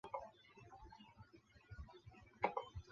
茹皮是巴西伯南布哥州的一个市镇。